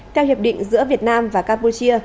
theo hiệp định giữa việt nam và campuchia